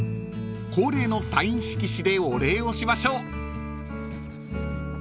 ［恒例のサイン色紙でお礼をしましょう］